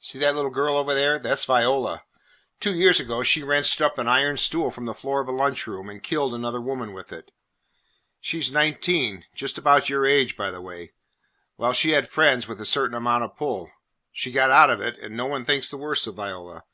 See that little girl over there? That 's Viola. Two years ago she wrenched up an iron stool from the floor of a lunch room, and killed another woman with it. She 's nineteen, just about your age, by the way. Well, she had friends with a certain amount of pull. She got out of it, and no one thinks the worse of Viola.